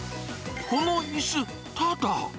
このいす、ただ。